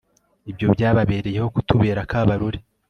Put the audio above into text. Ibyo byababereyeho kutubera akabarore